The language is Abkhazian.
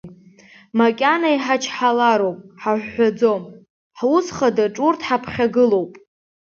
Макьана иҳачҳалароуп, ҳаҳәҳәом, ҳус хадаҿ урҭ ҳаԥхьагылоуп.